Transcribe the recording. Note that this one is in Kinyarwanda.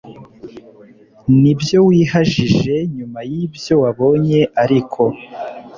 nibyo wihajije nyuma yibyo wabonye ariko